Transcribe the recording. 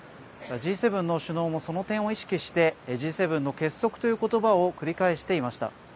Ｇ７の首脳もその点を意識してＧ７の結束ということばを繰り返していました。